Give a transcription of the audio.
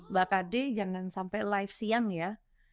mbak kd jangan sampai live siang ya